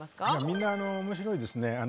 みんな面白いですね。